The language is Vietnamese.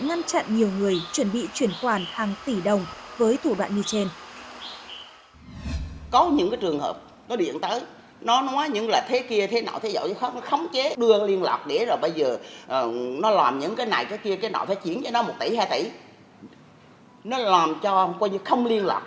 ngăn chặn nhiều người chuẩn bị chuyển khoản hàng tỷ đồng với thủ đoạn như trên